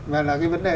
mà là cái vấn đề